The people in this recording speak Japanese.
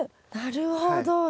なるほど。